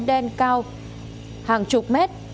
đen cao hàng chục mét